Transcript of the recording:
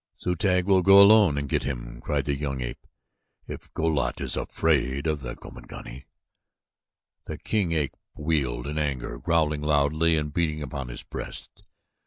"Zu tag will go alone and get him," cried the young ape, "if Go lat is afraid of the Gomangani." The king ape wheeled in anger, growling loudly and beating upon his breast.